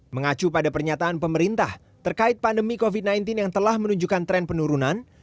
mengacu pada pernyataan pemerintah terkait pandemi covid sembilan belas yang telah menunjukkan tren penurunan